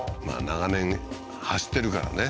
長年走ってるからね